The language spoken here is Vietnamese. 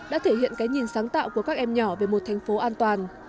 đã thể hiện cái nhìn sáng tạo của các em nhỏ về một thành phố an toàn